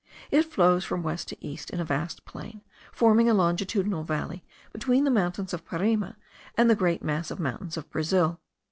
It flows from west to east in a vast plain, forming a longitudinal valley between the mountains of Parima and the great mass of the mountains of Brazil.